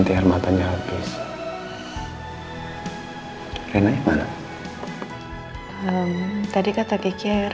berapa lagi sisa duitku ya